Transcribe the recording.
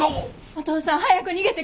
お父さん早く逃げて。